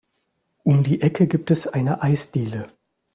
Um die Ecke gibt es eine Eisdiele.